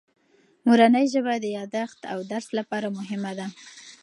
مورنۍ ژبه د یادښت او درس لپاره مهمه ده.